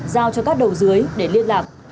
giao cho các đầu dưới để liên lạc